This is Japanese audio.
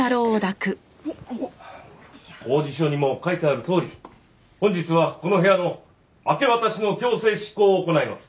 公示書にも書いてあるとおり本日はこの部屋の明け渡しの強制執行を行います。